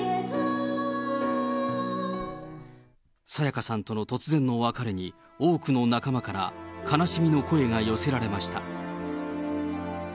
沙也加さんとの突然の別れに多くの仲間から悲しみの声が寄せられました。